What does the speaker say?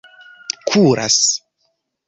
kuras